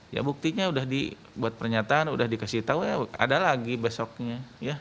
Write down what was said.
ya buktinya udah dibuat pernyataan udah dikasih tahu ya ada lagi besoknya